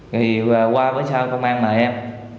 thì qua với sao công an mời em